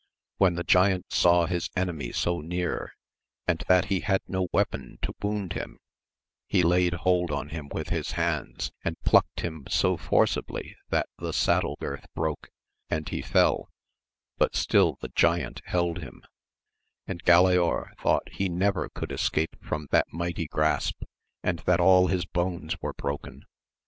When the giant saw his enemy so near, and that he had no weapon to wound him, he laid hold on him with his hands, and plucked him so forcibly that the saddle girth broke, and he^ fell, but still the giant held him ; and Galaor thought he never could escape from that mighty grasp, and that all his bones were broken.